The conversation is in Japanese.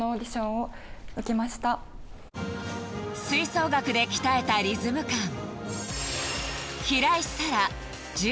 吹奏楽で鍛えたリズム感。